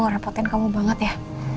repotin kamu banget ya